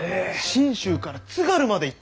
信州から津軽まで行ったんだ。